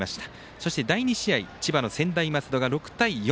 そして、第２試合千葉の専大松戸が６対４